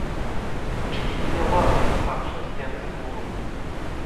Учительтне ламоксть сакшность тензэ кудов.